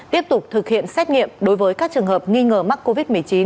tiếp tục thực hiện xét nghiệm đối với các trường hợp nghi ngờ mắc covid một mươi chín